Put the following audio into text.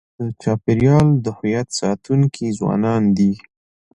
د چاپېریال د هویت ساتونکي ځوانان دي.